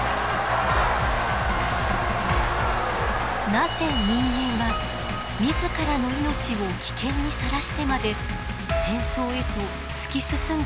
なぜ人間は自らの命を危険にさらしてまで戦争へと突き進んでしまうのか。